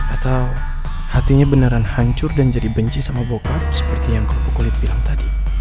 atau hatinya beneran hancur dan jadi benci sama bocar seperti yang kerupuk kulit bilang tadi